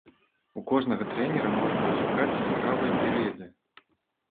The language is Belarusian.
У кожнага трэнера можна адшукаць яскравыя перыяды.